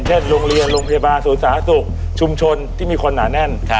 โรงเรียนโรงพยาบาลศูนย์สาธารณสุขชุมชนที่มีคนหนาแน่น